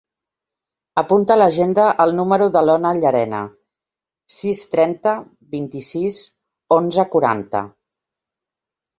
Apunta a l'agenda el número de l'Ona Llarena: sis, trenta, vint-i-sis, onze, quaranta.